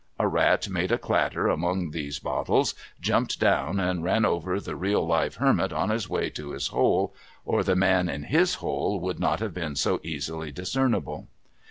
A rat made a clatter among these bottles, jumped down, and ran over the real live Hermit on his way to his hole, or the man in his hole would not have been so easily discernible.